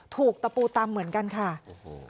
ตะปูตำเหมือนกันค่ะโอ้โห